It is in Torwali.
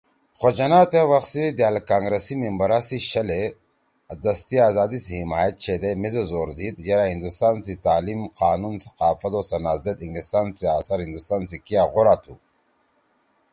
خو جناح تے وخ سی دأل کانگرَسی ممبرا سی چھلے دستی آزادی سی حمایت چھیدے میزید زور دیِد یرأ ہندوستان سی تعلیم، قانون، ثقافت او صنعت زید انگلستان سی اثر ہندوستان سی کیا غورا تُھو